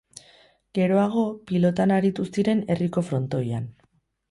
Geroago, pilotan aritu ziren herriko frontoian.